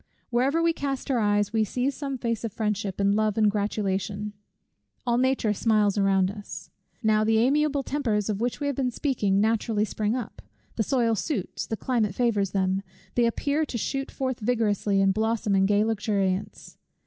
Wherever we cast our eyes, we see some face of friendship, and love, and gratulation: All nature smiles around us. Now the amiable tempers of which we have been speaking naturally spring up. The soil suits, the climate favours them. They appear to shoot forth vigorously and blossom in gay luxuriance.